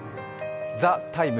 「ＴＨＥＴＩＭＥ’」